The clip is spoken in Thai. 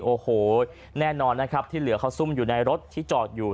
โอ้โหแน่นอนนะครับที่เหลือเขาซุ่มอยู่ในรถที่จอดอยู่